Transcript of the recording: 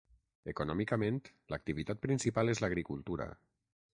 Econòmicament l'activitat principal és l'agricultura.